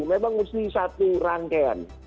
memang mesti satu rangkaian